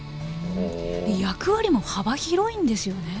役割も幅広いんですよね？